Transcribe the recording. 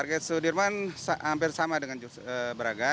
target sudirman hampir sama dengan braga